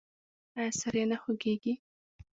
ایا سر یې نه خوږیږي؟